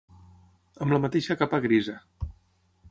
Amb la mateixa capa grisa.